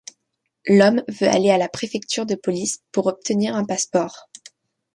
L’homme veut aller à la Préfecture de police pour obtenir un passeport.